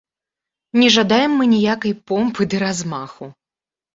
Не жадаем мы ніякай помпы ды размаху.